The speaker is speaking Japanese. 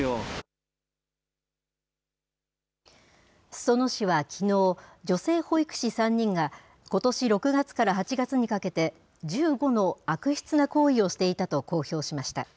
裾野市はきのう、女性保育士３人が、ことし６月から８月にかけて、１５の悪質な行為をしていたと公表しました。